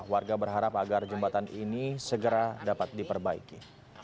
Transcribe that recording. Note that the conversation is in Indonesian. warga berharap agar jembatan ini segera dapat diperbaiki